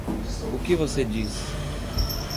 O que você diz?